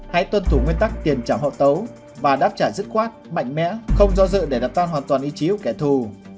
hãy tuân thủ nguyên tắc tiền trảm hậu tấu và đáp trả dứt khoát mạnh mẽ không do dự để đặt tan hoàn toàn ý chí của kẻ thù